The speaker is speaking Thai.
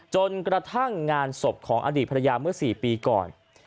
จนกระทั่งงานศพของอดีตภรรยาเมื่อ๔ปีก่อน